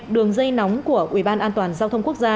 đường dây nóng của uban giao thông quốc gia